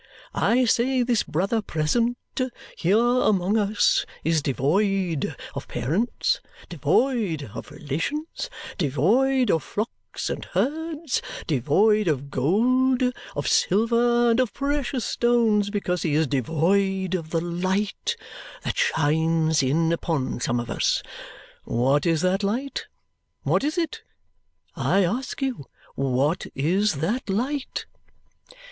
I say this brother present here among us is devoid of parents, devoid of relations, devoid of flocks and herds, devoid of gold, of silver, and of precious stones because he is devoid of the light that shines in upon some of us. What is that light? What is it? I ask you, what is that light?"